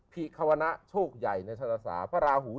พิควรณะโชคใหญ่ในชนศาสตรา